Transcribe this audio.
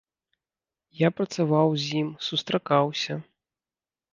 Я працаваў з ім, сустракаўся.